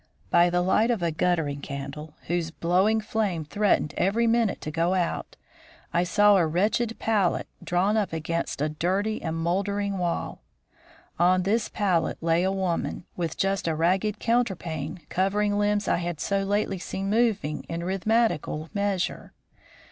By the light of a guttering candle, whose blowing flame threatened every minute to go out, I saw a wretched pallet drawn up against a dirty and mouldering wall. On this pallet lay a woman, with just a ragged counterpane covering limbs I had so lately seen moving in rhythmical measure.